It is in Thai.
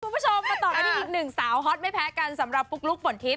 คุณผู้ชมมาต่อกันที่อีกหนึ่งสาวฮอตไม่แพ้กันสำหรับปุ๊กลุ๊กฝนทิพ